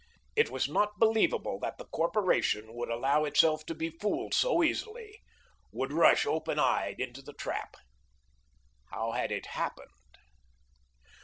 It was not believable that the corporation would allow itself to be fooled so easily, would rush open eyed into the trap. How had it happened?